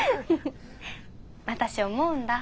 私思うんだ。